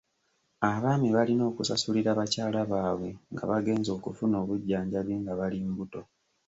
Abaami balina okusasulira bakyala baabwe nga bagenze okufuna obujjanjabi nga bali mbuto.